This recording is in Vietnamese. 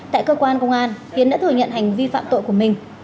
tại cơ quan công an tiến đã thừa nhận hành vi phạm tội của mình